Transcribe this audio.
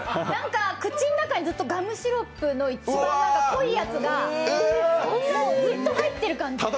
口の中にずっとガムシロップの濃いやつがずっと入ってる感じ。